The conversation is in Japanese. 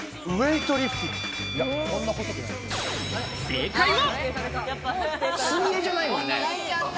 正解は。